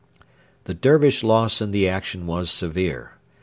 The Dervish loss in the action was severe.